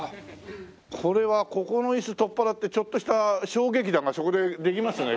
これはここの椅子取っ払ってちょっとした小劇団がそこでできますね。